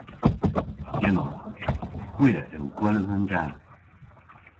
Gyllowgh. Hwi a yll gweles an gath.